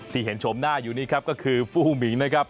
ที่เห็นชมหน้าอยู่นี่ครับก็คือฟู้มิงนะครับ